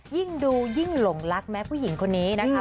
ยิ่งดูยิ่งหลงรักแม้ผู้หญิงคนนี้นะคะ